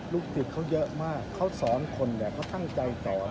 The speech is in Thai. ลูกศิษย์เขาเยอะมากเขาสอนคนเขาตั้งใจสอน